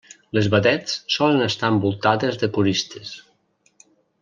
Les vedets solen estar envoltades de coristes.